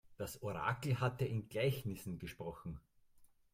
Das Orakel hatte in Gleichnissen gesprochen.